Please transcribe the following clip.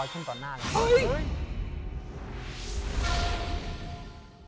ร้อยขึ้นตอนหน้าเลย